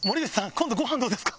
今度ごはんどうですか？